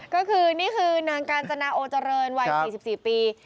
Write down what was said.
ก็คือนี่คือนางกาญจนาโอเจริญวัย๔๔ปี